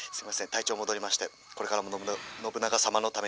体調戻りましてこれからもの信長様のために」。